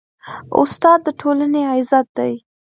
استاد د ټولنې عزت دی.